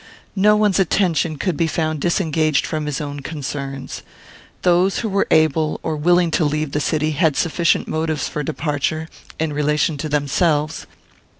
No one's attention could be found disengaged from his own concerns. Those who were able or willing to leave the city had sufficient motives for departure, in relation to themselves.